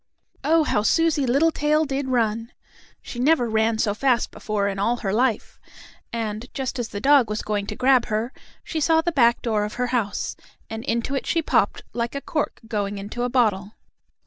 Oh, how Susie Littletail did run! She never ran so fast before in all her life, and, just as the dog was going to grab her, she saw the back door of her house, and into it she popped like a cork going into a bottle.